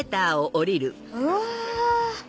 うわ！